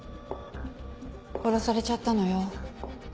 殺されちゃったのよ。